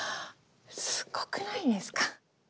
すごくないですか。